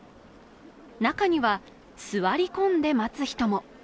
中には座り込んで待つ人も。